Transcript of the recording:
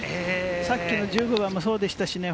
さっきの１５番もそうでしたし。